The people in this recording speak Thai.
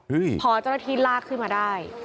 พอเจ้าหน้าที่ลากขึ้นมาได้